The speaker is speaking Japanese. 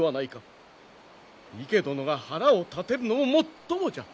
池殿が腹を立てるのももっともじゃ。